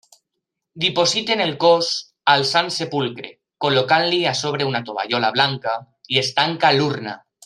Dipositen el cos al Sant Sepulcre, col·locant-li a sobre una tovallola blanca i es tanca l'urna.